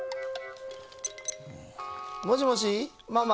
もしもしママ？